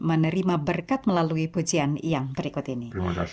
menerima berkat melalui pujian yang berikut ini